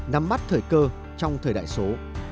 nắm bắt thời cơ trong thời đại số